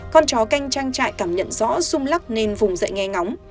con chó canh trang trại cảm nhận rõ rung lắc nên vùng dậy nghe ngóng